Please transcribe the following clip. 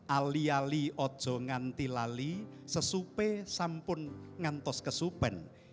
aliali ojo nganti lali sesupe sampun ngantos kesupen